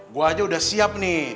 gue aja udah siap nih